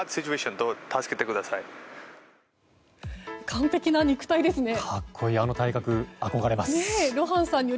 完璧な肉体ですね。